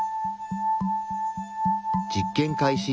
実験開始。